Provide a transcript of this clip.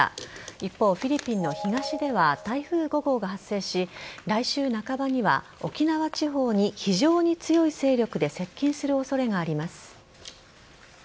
一方、フィリピンの東では台風５号が発生し来週半ばには沖縄地方に非常に強い勢力で接近する恐れがあります。